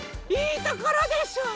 いいところでしょ？